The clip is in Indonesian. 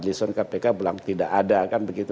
disampaikan oleh padlisan kpk bilang tidak ada kan begitu